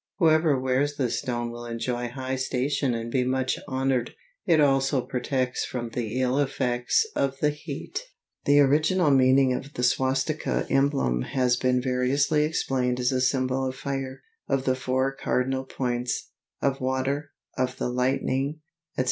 Whoever wears this stone will enjoy high station and be much honored; it also protects from the ill effects of the heat. The original meaning of the swastika emblem has been variously explained as a symbol of fire, of the four cardinal points, of water, of the lightning, etc.